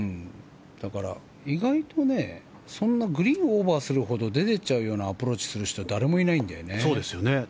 だから、意外と、そんなグリーンをオーバーするほど出てっちゃうようなアプローチする人は誰もいないんだよね。